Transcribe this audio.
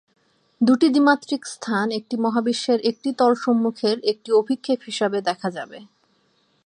দুটি দ্বিমাত্রিক স্থান একটি মহাবিশ্বের একটি তল সম্মুখের একটি অভিক্ষেপ হিসাবে দেখা যাবে।